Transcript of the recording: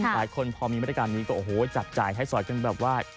หลายคนพอมีมาตรการนี้ก็โอ้โหจับจ่ายให้สอยกันแบบว่า